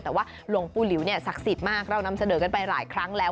แต่ว่าหลวงปู่หลิวเนี่ยศักดิ์สิทธิ์มากเรานำเสนอกันไปหลายครั้งแล้ว